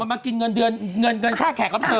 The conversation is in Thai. มันมากินเงินช่าแขกกับเธอ